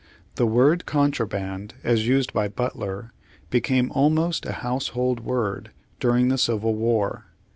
The word "contra band" as used by Butler became almost a house hold word during the Civil War.